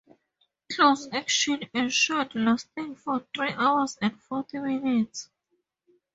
Close action ensued, lasting for three hours and forty minutes.